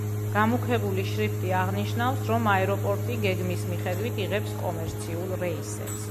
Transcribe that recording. გამუქებული შრიფტი აღნიშნავს, რომ აეროპორტი გეგმის მიხედვით იღებს კომერციულ რეისებს.